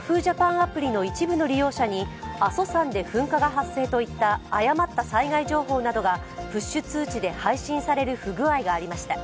アプリの一部の利用者に阿蘇山で噴火が発生といった誤った災害情報などがプッシュ通知で配信される不具合がありました。